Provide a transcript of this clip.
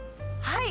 はい。